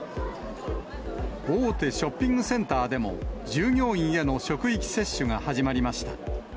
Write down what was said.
大手ショッピングセンターでも、従業員への職域接種が始まりました。